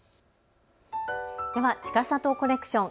ではちかさとコレクション。